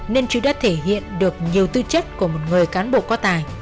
nên chú đã thể hiện được nhiều tư chất của một người cán bộ có tài